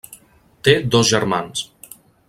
Té dos germans: